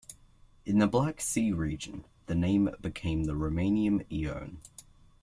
In the Black Sea region, the name became the Romanian Ioan.